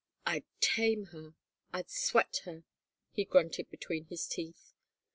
" I'd tame her — I'd sweat her," he grunted between his teeth. .